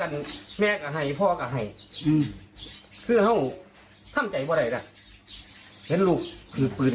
กันแม่กันให้พ่อกันให้คือเขาทำใจบ่อะไรล่ะลูกคือปืน